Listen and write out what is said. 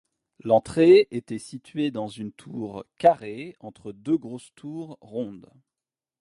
L'entrée était située dans une tour carrée, entre deux grosses tours rondes.